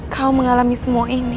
kau mengalami semua ini